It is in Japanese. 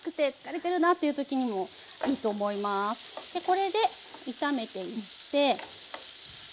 これで炒めていって。